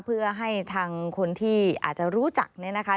เพื่อให้ทางคนที่อาจจะรู้จักเนี่ยนะคะ